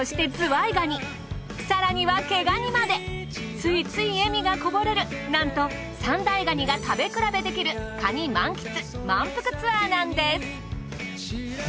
ついつい笑みがこぼれるなんと三大ガニが食べ比べできるカニ満喫満腹ツアーなんです。